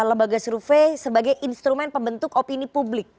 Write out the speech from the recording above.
abagas rufai sebagai instrumen pembentuk opini publik